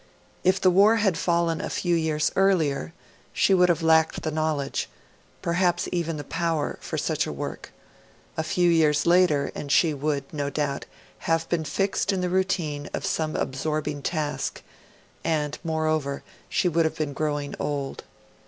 If the war had fallen a few years earlier, she would have lacked the knowledge, perhaps even the power, for such a work; a few years later and she would, no doubt, have been fixed in the routine of some absorbing task, and moreover, she would have been growing old.